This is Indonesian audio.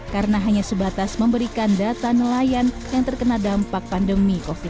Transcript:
karena hanya sebatas memberikan data nelayan yang terkena dampak pandemi covid sembilan belas